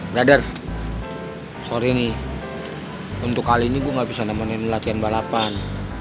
brother sorry nih untuk kali ini gue gak bisa nemenin latihan balapan